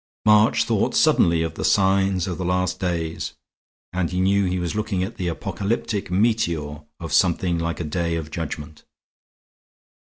March thought suddenly of the signs of the last days and knew he was looking at the apocalyptic meteor of something like a Day of judgment.